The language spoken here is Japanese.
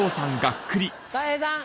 たい平さん。